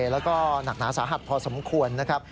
แล้วก็หนักหนาสาหัสพอสมควรนะครับ